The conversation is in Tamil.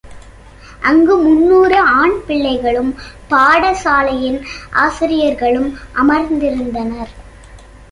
அங்கு முன்னூறு ஆண் பிள்ளைகளும் பாடசாலையின் ஆசிரியர்களும் அமர்ந்திருந்தனர்.